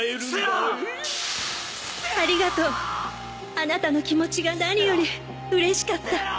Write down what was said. あなたの気持ちが何よりうれしかった